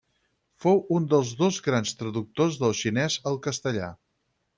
Fou un dels dos grans traductors del xinès al castellà.